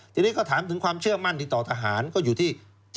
ทีนี้ก็ถามถึงความเชื่อมั่นที่ต่อทหารก็อยู่ที่